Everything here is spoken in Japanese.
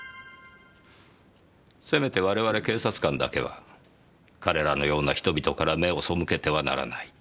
せめて我々警察官だけは彼らのような人々から目を背けてはならない。